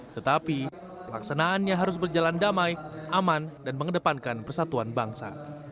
tetapi pelaksanaannya harus berjalan damai aman dan mengedepankan persatuan bangsa